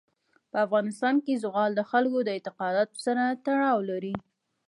په افغانستان کې زغال د خلکو د اعتقاداتو سره تړاو لري.